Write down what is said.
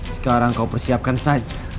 sekarang kau persiapkan saja